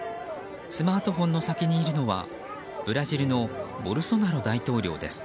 スマートフォンの先にいるのはブラジルのボルソナロ大統領です。